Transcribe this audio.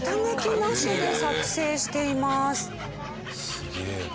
すげえな。